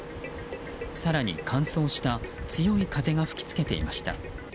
更に、乾燥した強い風が吹き付けていました。